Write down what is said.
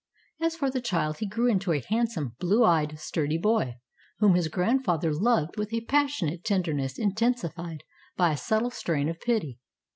As for the child, he grew into a handsome, blue eyed, sturdy boy, whom his grandfather loved with a passionate tenderness intensified by a subtle strain of pity.